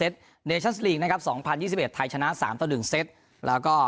เซตนะครับสองพันยี่สิบเอ็ดไทยชนะสามต่อหนึ่งเซตแล้วก็